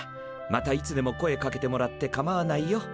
またいつでも声かけてもらってかまわないよ。